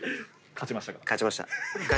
勝ちました。